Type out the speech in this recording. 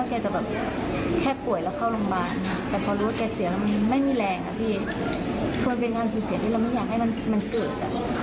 ควรเป็นงานเสียเสียด้วยเราไม่อยากให้มันเกิด